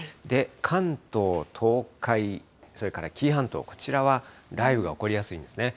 関東、東海、それから紀伊半島、こちらは雷雨が起こりやすいんですね。